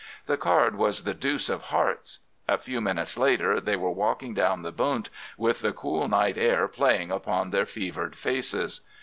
The card was the deuce of hearts. A few minutes later they were walking down the Bund, with the cool night air playing upon their fevered faces.